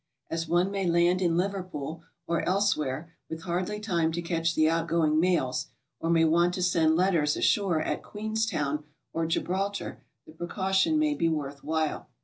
As one may land in Liverpool or elsewhere with hardly time to catch the outgoing mails, or may want to send letters ashore at Queenstown or Gibraltar, the precaution may be worth while.